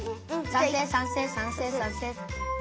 さんせいさんせいさんせいさんせい。